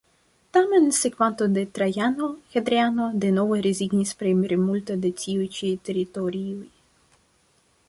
Tamen sekvanto de Trajano, Hadriano, denove rezignis pri plimulto de tiuj ĉi teritorioj.